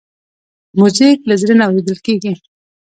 موزیک له زړه نه اورېدل کېږي.